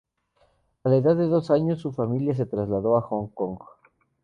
A la edad de dos años, su familia se trasladó a Hong Kong.